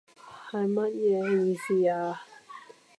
係乜嘢意思啊？